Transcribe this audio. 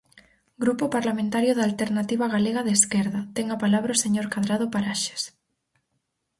Grupo Parlamentario da Alternativa Galega de Esquerda, ten a palabra o señor Cadrado Paraxes.